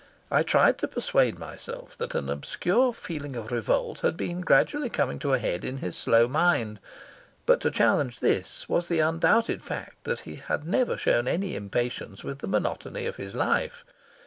I tried to persuade myself than an obscure feeling of revolt had been gradually coming to a head in his slow mind, but to challenge this was the undoubted fact that he had never shown any impatience with the monotony of his life.